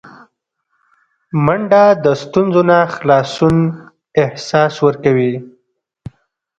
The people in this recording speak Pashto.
منډه د ستونزو نه خلاصون احساس ورکوي